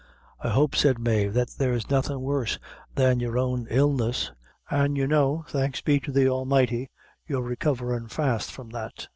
"I hope," said Mave, "that there's nothing worse than your own illness; an' you know, thanks be to the Almighty, you're recoverin' fast from that."